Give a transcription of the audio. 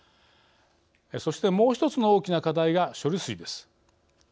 そして、もう１つの大きな課題が処理水です。